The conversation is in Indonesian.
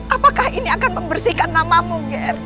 apakah ini akan membersihkan namamu ger